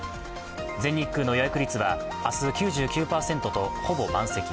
全日空の予約率は明日９９％とほぼ満席。